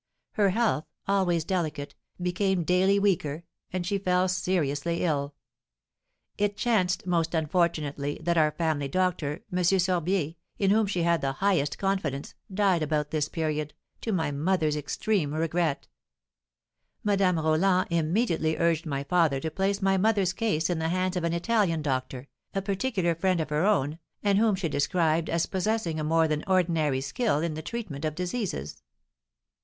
Her health, always delicate, became daily weaker, and she fell seriously ill. It chanced, most unfortunately, that our family doctor, M. Sorbier, in whom she had the highest confidence, died about this period, to my mother's extreme regret. Madame Roland immediately urged my father to place my mother's case in the hands of an Italian doctor, a particular friend of her own, and whom she described as possessing a more than ordinary skill in the treatment of diseases.